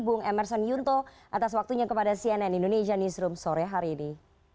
bung emerson yunto atas waktunya kepada cnn indonesia newsroom sore hari ini